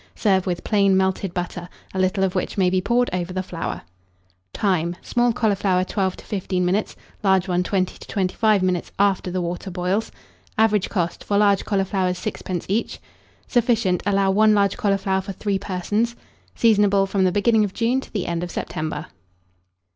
Serve with plain melted butter, a little of which may be poured over the flower. Time. Small cauliflower, 12 to 15 minutes, large one, 20 to 25 minutes, after the water boils. Average cost, for large cauliflowers, 6d. each. Sufficient. Allow 1 large cauliflower for 3 persons. Seasonable from the beginning of June to the end of September.